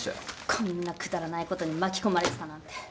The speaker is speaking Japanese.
こんなくだらないことに巻き込まれてたなんて。